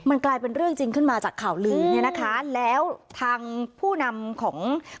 มันกลายเป็นเรื่องจริงขึ้นมาจากข่าวลือเนี่ยนะคะแล้วทางผู้นำของ